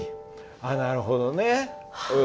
あっなるほどね。